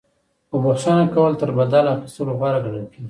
خو بخښنه کول تر بدل اخیستلو غوره ګڼل کیږي.